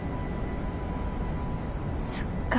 そっか。